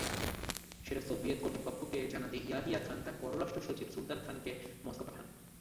সেটা সোভিয়েত কর্তৃপক্ষকে জানাতে ইয়াহিয়া খান তাঁর পররাষ্ট্রসচিব সুলতান খানকে মস্কো পাঠান।